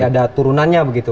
tapi ada turunannya begitu